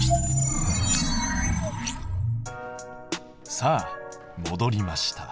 さあもどりました。